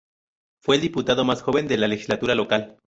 Fue el diputado más joven de la legislatura local.